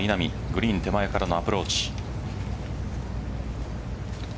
グリーン手前からのアプローチ。